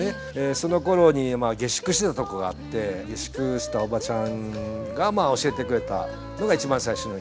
そのころに下宿してたとこがあって下宿してたおばちゃんが教えてくれたのが一番最初のきっかけですね。